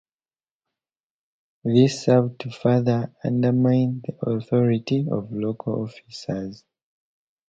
This served to further undermine the authority of local officers.